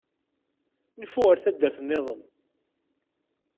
Nfu ar taddart-nniḍen.